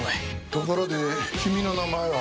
ところで君の名前は？